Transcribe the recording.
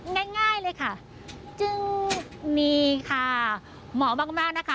ง่ายเลยค่ะนี่ค่ะหมอมากนะคะ